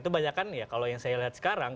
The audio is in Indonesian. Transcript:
itu banyak kan ya kalau yang saya lihat sekarang